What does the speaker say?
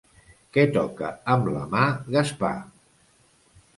Què toca amb la mà Gaspar?